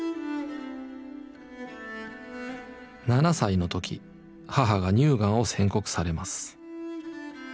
７歳の時母が乳がんを宣告されます。